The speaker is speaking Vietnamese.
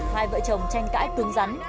hai vợ chồng tranh cãi tướng rắn